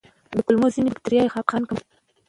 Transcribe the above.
د کولمو ځینې بکتریاوې خپګان کموي.